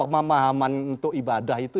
pemahaman untuk ibadah itu